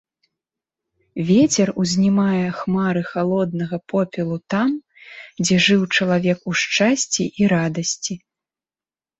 Вецер узнімае хмары халоднага попелу там, дзе жыў чалавек у шчасці і радасці.